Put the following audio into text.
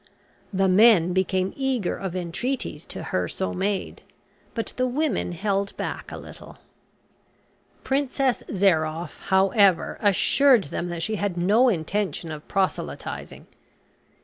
The men became eager of entreaties to her so made, but the women held back a little. Princess Zairoff, however, assured them she had no intention of proselytising.